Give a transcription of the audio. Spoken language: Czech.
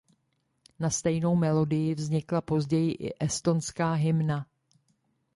Na stejnou melodii vznikla později i estonská hymna.